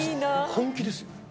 本気ですよ。